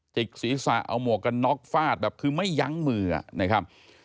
กศีรษะเอาหมวกกันน็อกฟาดแบบคือไม่ยั้งมือนะครับ